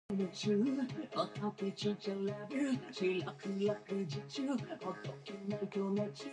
They start discussing the veracity of the Hell House documentary.